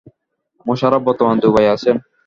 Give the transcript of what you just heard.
মোশাররফ বর্তমানে দুবাই আছেন।